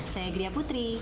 saya gria putri